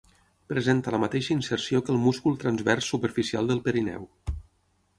Presenta la mateixa inserció que el múscul transvers superficial del perineu.